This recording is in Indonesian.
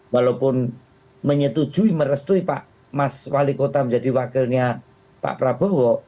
walaupun menyetujui merestui pak mas wali kota menjadi wakilnya pak prabowo